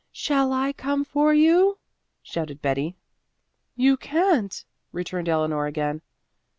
"Shall I come for you?" shouted Betty. "You can't," returned Eleanor again.